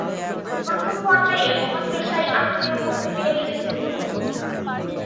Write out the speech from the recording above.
প্রথম পর্যায়ে মহৎ পেশায় আত্মনিয়োগ করতে পেরে নিজেকে ধন্য মনে করতাম।